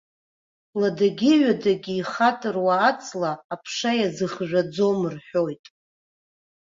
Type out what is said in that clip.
Ладагьы-ҩадагьы ихьатыруа аҵла, аԥша иазыхжәаӡом рҳәоит.